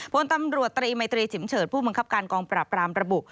พลตำรวจตรีมัยตรีฉิมเฉิดผู้บังคับการกองปราบรามระบุ